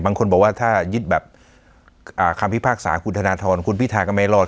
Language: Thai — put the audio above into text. บางคนบอกว่าถ้ายึดแบบคำพิพากษาคุณธนทรคุณพิธาก็ไม่รอด